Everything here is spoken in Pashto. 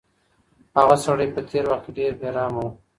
هغه سړی په تېر وخت کې ډېر بې رحمه و.